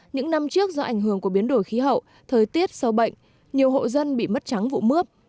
những năm trước do ảnh hưởng của biến đổi khí hậu thời tiết sâu bệnh nhiều hộ dân bị mất trắng vụ mướp